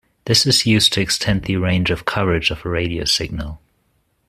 This is used to extend the range of coverage of a radio signal.